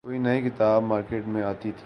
کوئی نئی کتاب مارکیٹ میں آتی تھی۔